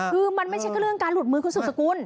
คือมันไม่ใช่ก็เรื่องการหลุดมือของสุขกุล